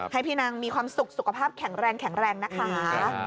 ให้พี่นางมีความสุขสุขภาพแข็งแรงแข็งแรงนะคะ